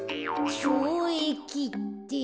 ちょうえきって？